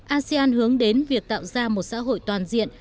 asean hướng đến việc tạo ra một xã hội toàn diện